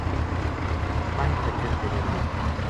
پنج کچر بے رُڑھ گئی